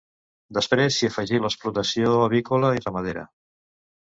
Després s'hi afegí l'explotació avícola i ramadera.